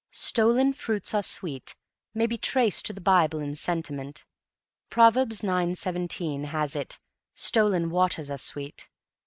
"Stolen fruits are sweet" may be traced to the Bible in sentiment. Proverbs, ix:17 has it: "Stolen waters are sweet."